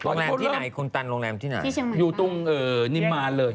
โรงแรมที่ไหนคุณตันโรงแรมที่ไหนอยู่ตรงนิมมารเลย